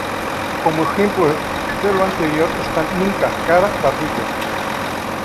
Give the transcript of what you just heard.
Como ejemplo de lo anterior están 項, ‘nuca’; 顔, ‘cara; 顎, ‘barbilla’.